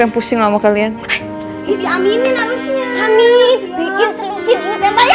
pusing lama kalian ini amin bikin selusin